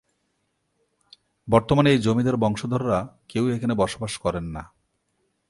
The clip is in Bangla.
বর্তমানে এই জমিদার বংশধররা কেউই এখানে বসবাস করেন না।